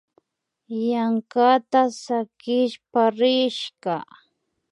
Yankata sakishpa rishka